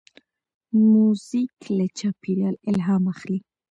موزیک له چاپېریال الهام اخلي.